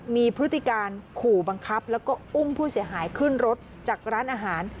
มีพฤติการขู่บังคับแล้วก็อุ้มผู้เสียหายขึ้นรถจากร้านอาหาร